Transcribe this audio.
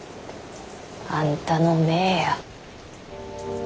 あんたの姪や。